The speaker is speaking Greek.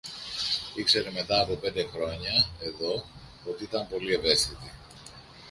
Ήξερε μετά από πέντε χρόνια εδώ ότι ήταν πολύ ευαίσθητοι